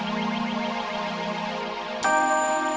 tiima terus coba siap sih